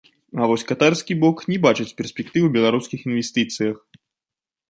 А вось катарскі бок не бачыць перспектыў у беларускіх інвестыцыях.